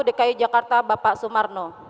dki jakarta bapak sumarno